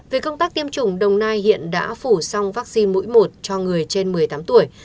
về công tác tiêm chủng đồng nai hiện đã phủ xong vaccine mũi một cho người trên một mươi tám tuổi